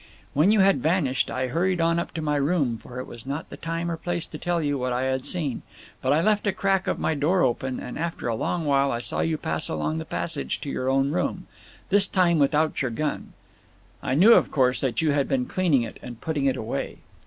When you had vanished, I hurried on up to my room, for it was not the time or place to tell you what I had seen, but I left a crack of my door open, and after rather a long while saw you pass along the passage to your own room; this time without your gun. I knew, of course, that you had been cleaning it and putting it away."